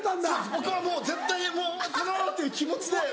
僕は絶対もう殿！っていう気持ちで。